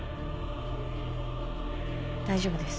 大丈夫です。